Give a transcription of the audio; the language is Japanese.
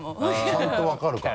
ちゃんと分かるからね。